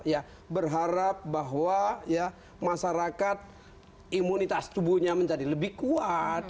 ya berharap bahwa ya masyarakat imunitas tubuhnya menjadi lebih kuat